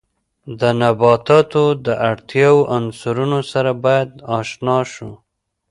د نباتاتو د اړتیاوو عنصرونو سره باید آشنا شو.